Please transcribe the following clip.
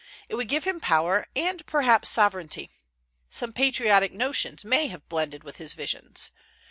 It would give him power, and perhaps sovereignty. Some patriotic notions may have blended with his visions.